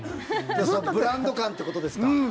それはブランド感ってことですか。